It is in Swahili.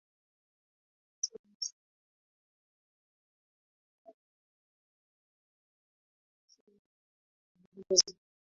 huathiri sana aina mbalimbali za mifumo ya ikolojia na kupunguza